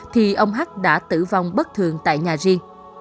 thì ông hắt đã tử vong bất thường tại nhà riêng